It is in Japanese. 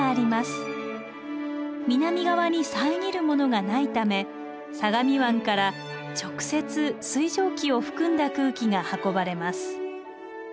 南側に遮るものがないため相模湾から直接水蒸気を含んだ空気が運ばれます。